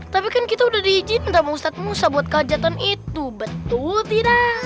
tapi kan kita udah diizin sama ustadz musa buat kajatan itu betul tidak